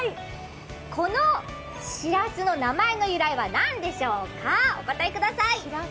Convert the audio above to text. このしらすの名前の由来は何でしょうか？